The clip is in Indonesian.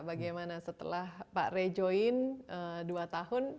bagaimana setelah pak rey join dua tahun